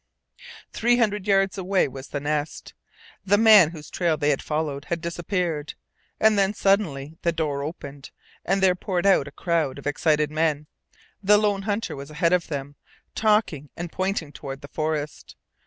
Three hundred yards away was the Nest. The man whose trail they had followed had disappeared. And then, suddenly, the door opened, and there poured out a crowd of excited men. The lone hunter was ahead of them, talking and pointing toward the forest.